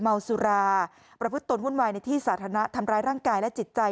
เมาสุราประพฤติตนวุ่นวายในที่สาธารณะทำร้ายร่างกายและจิตใจ